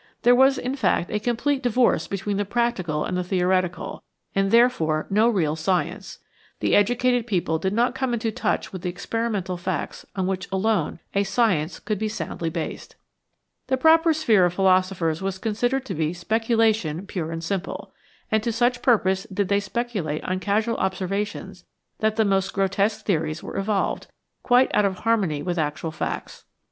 There was in fact a complete divorce between the practical and the theoretical, and therefore no real science ; the educated people did not come into touch with the experimental facts on which alone a science could be soundly based. The proper sphere of philosophers was considered to be speculation pure and simple, and to such purpose did they speculate on casual observations that the most grotesque theories were evolved, quite out of harmony with actual facts.